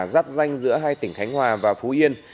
giáp danh giữa hai tỉnh khánh hòa và phú yên